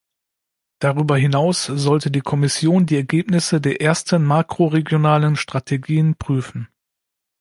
Darüber hinaus sollte die Kommission die Ergebnisse der ersten makroregionalen Strategien prüfen.